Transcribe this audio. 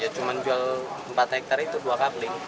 ya cuma jual empat hektare itu dua kafling